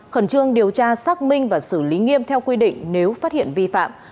khẩn trương điều tra xác minh và xử lý nghiêm theo quy định nếu phát hiện vi phạm